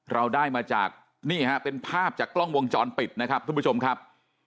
เราได้มาจากนี่ฮะเป็นภาพจากกล้องวงจรปิดนะครับทุกผู้ชมครับ